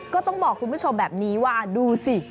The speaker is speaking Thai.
ก็ต้องบอกคุณผู้ชมแบบนี้ว่าดูสิ